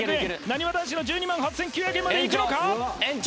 なにわ男子の１２万８９００円までいくのか？